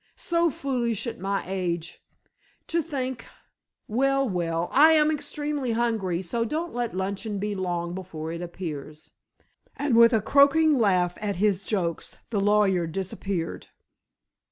So foolish at my age. To think well well, I am extremely hungry, so don't let luncheon be long before it appears," and with a croaking laugh at his jokes the lawyer disappeared.